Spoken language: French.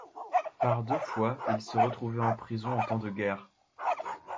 Par deux fois il s'est retrouvé en prison en temps de guerre.